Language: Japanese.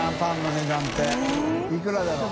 いくらだろう？